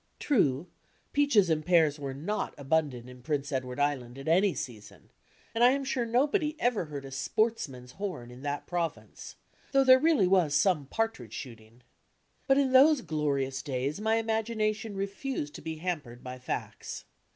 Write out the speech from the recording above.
True, peaches and pears were not abundant in Prince Edward Island at any season, and I am sure nobody ever heard a "sportsman's horn" in that Province, though there really was some partridge shooting. But in dtose glorious days my imagination refused to be hampered by facts.